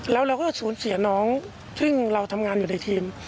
แล้วเราก็สูญเสียน้องซึ่งเราทำงานอยู่ในทีม